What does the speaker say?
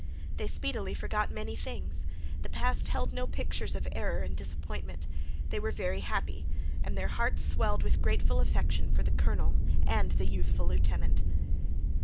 They speedily forgot many things. The past held no pictures of error and disappointment. They were very happy, and their hearts swelled with grateful affection for the colonel and the youthful lieutenant.